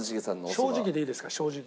正直でいいですから正直で。